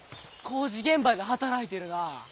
工事現場で働いてるな。